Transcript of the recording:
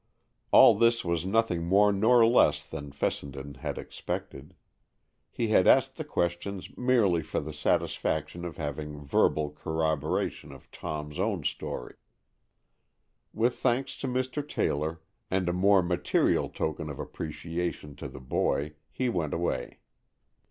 All this was nothing more nor less than Fessenden had expected. He had asked the questions merely for the satisfaction of having verbal corroboration of Tom's own story. With thanks to Mr. Taylor, and a more material token of appreciation to the boy, he went away.